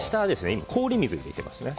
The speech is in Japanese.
氷水を入れてます。